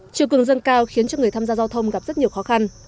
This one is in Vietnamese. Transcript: triều cường dân cao khiến cho người tham gia giao thông gặp rất nhiều khó khăn